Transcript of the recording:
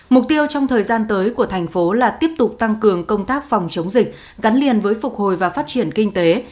mục tiêu trong thời gian tới của thành phố là tiếp tục tăng cường công tác phòng chống dịch gắn liền với phục hồi và phát triển kinh tế